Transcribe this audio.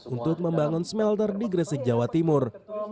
untuk membangun smelter di gresik jawa timur